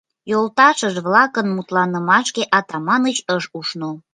Йолташыж -влакын мутланымашке Атаманыч ыш ушно.